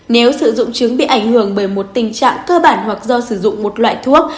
nếu sử dụng trứng bị ảnh hưởng bởi một tình trạng cơ bản hoặc do sử dụng một loại thuốc